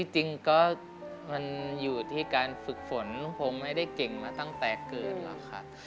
จริงก็ถึงการฝึกฝนผมไม่ได้เก่งมาตั้งแต่เกิดหรอครับ